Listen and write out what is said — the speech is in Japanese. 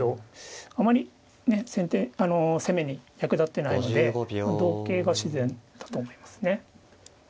あまりね攻めに役立ってないので同桂が自然だと思いますね。